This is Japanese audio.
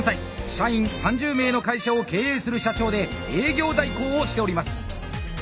社員３０名の会社を経営する社長で営業代行をしております。